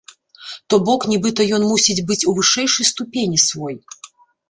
То бок нібыта ён мусіць быць у вышэйшай ступені свой.